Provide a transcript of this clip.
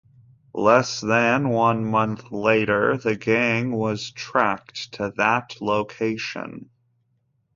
Less than one month later, the gang was tracked to that location.